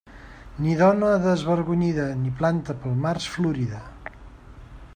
Ni dona desvergonyida ni planta pel març florida.